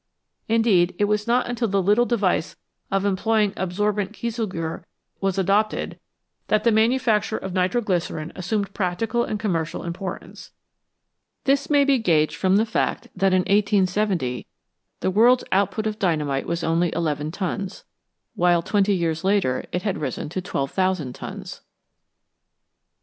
Indeed, it was not until the little device of employing absorbent kieselguhr was adopted that the manufacture of nitro glycerine assumed practical and commercial importance. This may be gauged from the fact that in 1870 the world's output of dynamite was only 11 tons, while twenty years later it had risen to 12,000 tons.